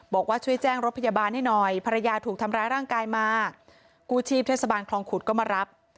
บอกว่าช่วยแจ้งรถพยาบาลให้หน่อยภรรยาถูกทำร้ายร่างกายมากู้ชีพเทศบาลคลองขุดก็มารับ